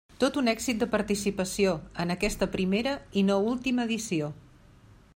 Tot un èxit de participació, en aquesta primera i no última edició.